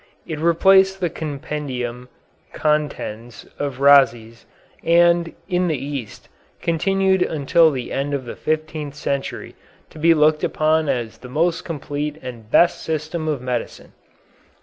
It replaced the compendium "Continens" of Rhazes, and, in the East, continued until the end of the fifteenth century to be looked upon as the most complete and best system of medicine.